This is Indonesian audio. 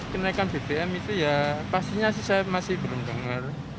kenaikan bbm itu ya pastinya sih saya masih belum dengar